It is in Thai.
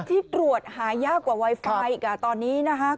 ที่ตรวจหายากกว่าไวไฟอีกตอนนี้นะคะ